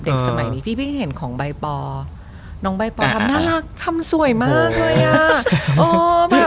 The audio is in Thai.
ก็เป็นเรื่องของยุคสมัยหรือเปล่า